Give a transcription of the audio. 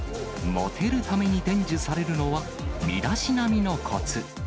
もてるために伝授されるのは、身だしなみのこつ。